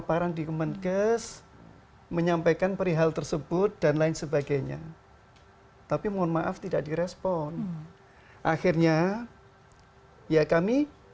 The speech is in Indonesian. harusnya mendapatkan terapi target kok tidak mendapatkan